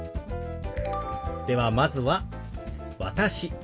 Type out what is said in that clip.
ではまずは「私」。